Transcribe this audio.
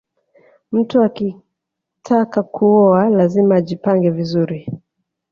mtu akitaka kuoa lazima ajipange vizuri